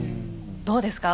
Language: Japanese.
どうですか？